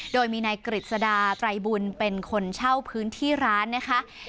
โดยมีนายกฤษดาไตรบุญเป็นคนเช่าพื้นที่ร้านนะคะ